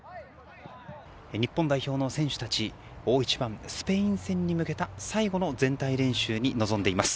日本代表の選手たちが大一番のスペイン戦に向けた最後の全体練習に臨んでいます。